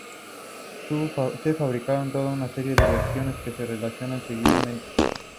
Se fabricaron toda una serie de versiones, que se relacionan seguidamente.